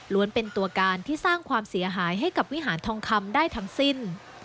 เป็นตัวการที่สร้างความเสียหายให้กับวิหารทองคำได้ทั้งสิ้น